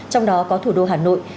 trong đó có thủ đô hà nội